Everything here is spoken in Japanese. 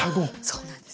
そうなんです。